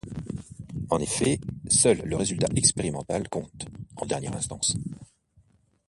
En effet, seul le résultat expérimental compte en dernière instance.